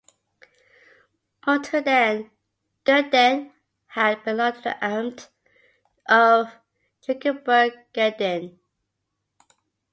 Until then, Gehrden had belonged to the "Amt" of Dringenberg-Gehrden.